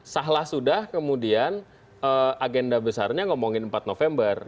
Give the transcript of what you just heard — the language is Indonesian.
sahlah sudah kemudian agenda besarnya ngomongin empat november